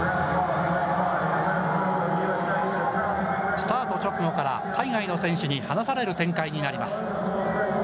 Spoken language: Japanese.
スタート直後から海外の選手に離される展開になります。